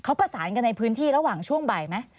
เขาประสานกันในพื้นที่ระหว่างช่วงบ่ายไหม